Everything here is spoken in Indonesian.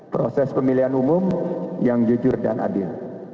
proses pemilihan umum yang jujur dan adil